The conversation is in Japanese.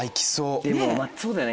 でもそうだよね。